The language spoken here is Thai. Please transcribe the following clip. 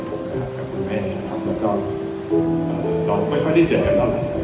ผมกับคุณแม่เราก็ไม่ค่อยได้เจอกันแล้ว